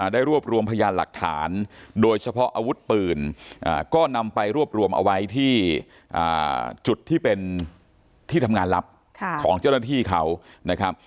ได้รวบรวมพยานหลักฐานโดยเฉพาะอาวุธปืนก็นำไปรวบรวมเอาไว้ที่จุดที่เป็นที่ทำงานลับของเจ้าหน้าที่เขานะครับ